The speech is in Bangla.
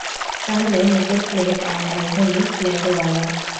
তাহলে নিকেল প্লেট আর আইভরি প্লেটওয়ালা।